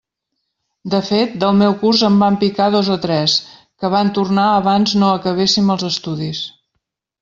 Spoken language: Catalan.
De fet, del meu curs en van picar dos o tres, que van tornar abans no acabéssim els estudis.